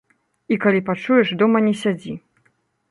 І калі пачуеш, дома не сядзі.